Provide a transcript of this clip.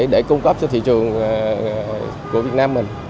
để cung cấp cho thị trường của việt nam mình